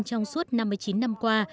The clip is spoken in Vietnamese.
trong suốt năm mươi chín năm qua